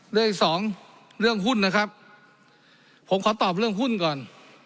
เรื่องสองเรื่องหุ้นนะครับผมขอตอบเรื่องหุ้นก่อน